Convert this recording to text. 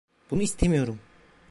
Bunu istemiyorum.